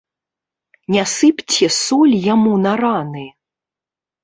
Не сыпце соль яму на раны.